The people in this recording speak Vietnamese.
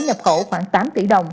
nhập khẩu khoảng tám tỷ đồng